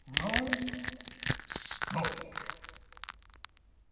Rome spoke.